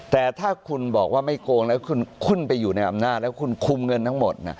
แต่ถ้าคุณบอกว่าไม่โกงแล้วคุณไปอยู่ในอำนาจแล้วคุณคุมเงินทั้งหมด